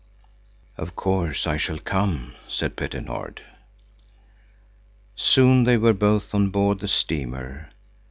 "Of course I shall come," said Petter Nord. Soon they were both on board the steamer.